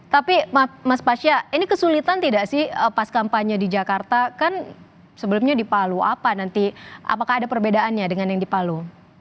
tapi mas pasya ini kesulitan tidak sih pas kampanye di jakarta kan sebelumnya di palu apa nanti apakah ada perbedaannya dengan yang di palu